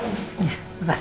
kami ingin counsel bahkan